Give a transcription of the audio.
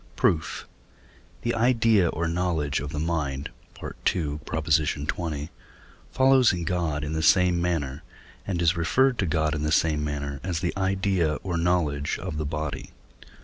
Proof. The idea or knowledge of the mind (II. xx.) follows in God in the same manner, and is referred to God in the same manner, as the idea or knowledge of the body.